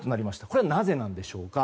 これはなぜなんでしょうか。